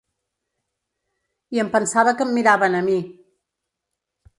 I em pensava que em miraven a mi.